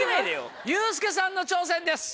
ユースケさんの挑戦です。